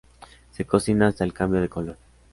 Se cocina hasta el cambio de color.